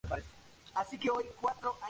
Era su director Manuel Villar Mingo.